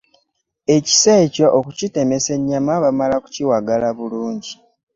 Ekiso ekyo okutkitemesa ennyama baamala ku kiwagala bulungi.